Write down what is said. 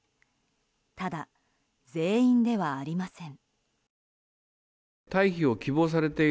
ただ、全員ではありません。